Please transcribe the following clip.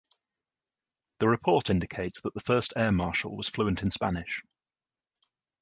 The report indicates that the first air marshal was fluent in Spanish.